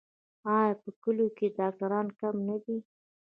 آیا په کلیو کې ډاکټران کم نه دي؟